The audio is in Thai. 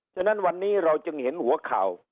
ฉะนั้นวันนี้เราจึงเห็นหัวข่าว